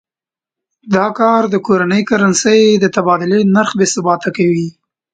دا کار د کورنۍ کرنسۍ د تبادلې نرخ بې ثباته کوي.